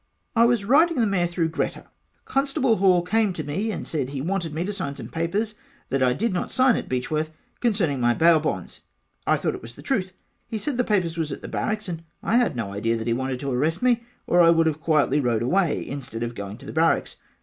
I was riding the mare through Greta Constable Hall came to me and said he wanted me to sign some papers that I did not sign at Beechworth concerning my bail bonds I thought it was the truth he said the papers was at the Barracks and I had no idea he wanted to arrest me or I would have quietly rode away instead of going to the Barracks.